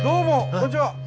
こんにちは。